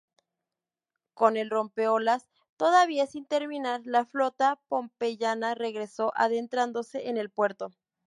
Con el rompeolas todavía sin terminar, la flota pompeyana regresó adentrándose en el puerto.